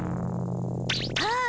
ああ！